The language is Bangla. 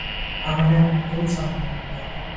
আমার আর মোটেও সময় নেই বাবা।